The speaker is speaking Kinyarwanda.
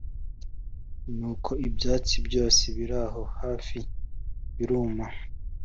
nuko ibyatsi byose biraho hafi biruma